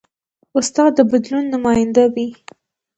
استاد د بدلون نماینده وي.